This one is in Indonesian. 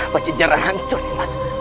baca jarak hancur nih mas